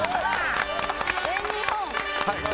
はい。